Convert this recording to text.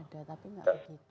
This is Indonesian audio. ada tapi tidak begitu